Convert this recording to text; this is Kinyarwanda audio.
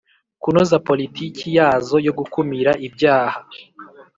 kunoza politiki yazo yo gukumira ibyaha,